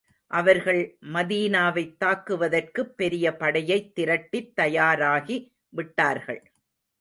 அவர்கள் மதீனாவைத் தாக்குவதற்குப் பெரிய படையைத் திரட்டித் தயாராகி விட்டார்கள்.